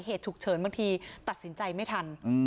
เหตุฉุกเฉินบางทีตัดสินใจไม่ทัน